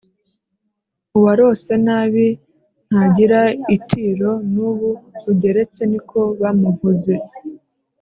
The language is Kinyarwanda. uwarose nabi ntagira itiro nubu rugeretse niko bamuvuze